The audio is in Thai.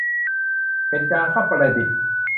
เบญจางคประดิษฐ์